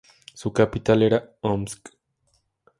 Su capital era Omsk.